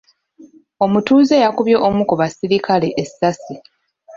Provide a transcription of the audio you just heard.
Omutuuze yakubye omu ku baserikale essaasi.